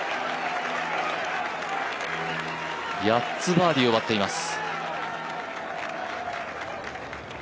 ８つバーディーを奪っています。